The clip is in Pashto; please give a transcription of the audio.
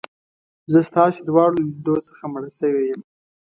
زه ستاسي دواړو له لیدو څخه مړه شوې یم.